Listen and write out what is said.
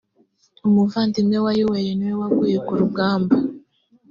umuvandimwe wa yoweli niwe waguye kurugamba